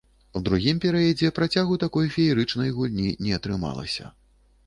У другім перыядзе працягу такой феерычнай гульні не атрымалася.